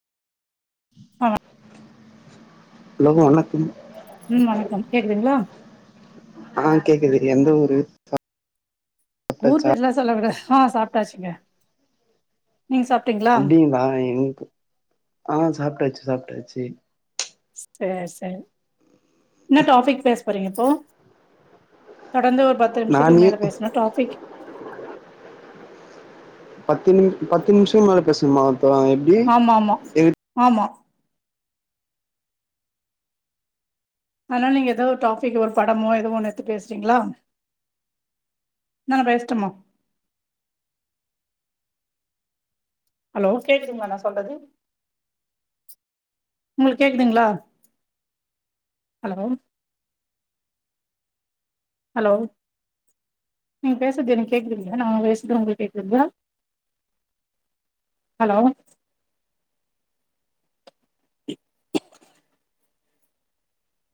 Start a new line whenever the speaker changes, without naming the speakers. ஆஹ்
hello வணக்கம்
ம் வணக்கம் கேக்குதுங்களா
ஆஹ் கேக்குது எந்த ஒரு ஊரு
ஊர்
சாப்ட்டாச்சா
பேர்ல்லாம் சொல்லகூடா ஆஹ் சாப்பிட்டாச்சுங்க
அப்டிங்களா எனக்கு ஆஹ் சாப்பிட்டாச்சு சாப்டாச்சு
சரி சரி என்ன டாபிக் பேச போறீங்க இப்போ தொடர்ந்து ஒரு பத்து நிமிஷத்துக்கு
நானே
மேல பேசனும் டாபிக்
பத்து நிம் பத்து நிமிஷம் மேல பேசனுமா த எப்படி
ஆமா ஆமா
எ
ஆமா ஆனா நீங்க ஏதோ ஒரு டாபிக் ஒரு படமோ ஏதோ ஒன்னு எத்து பேசுறீங்களா [unintelligible] பேசட்டுமா ஹலோ கேக்குதுங்களா நான் சொல்றது உங்களுக்கு கேக்குதுங்களா ஹலோ ஹலோ நீங்க பேசறது எனக்கு கேக்குதுங்க நான் பேசறது உங்களுக்கு கேக்குதுங்களா ஹலோ